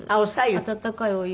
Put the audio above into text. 温かいお湯。